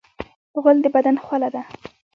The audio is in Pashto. غول د بدن خوله ده.